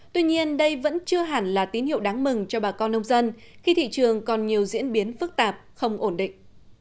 tuy nhiên đây vẫn chưa hẳn là tín hiệu đáng mừng cho bà con nông dân khi thị trường còn nhiều diễn biến phức tạp không ổn định